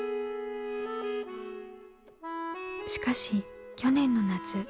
しかし去年の夏。